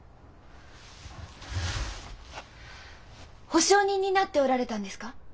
保証人になっておられたんですか？